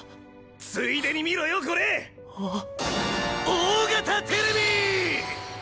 大型テレビ！